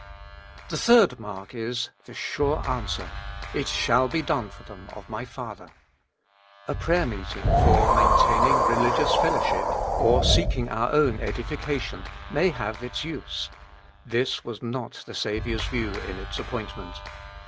The third mark is, the sure answer: *'It shall be done for them of my Father." A prayer meeting for maintaining religious fellowship, or seeking our own edification, may have its use ; this was not the Saviour's view in its appointment.